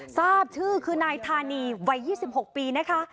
ทราบชื่อคือนายธานีวัย๒๖ปีนะคะ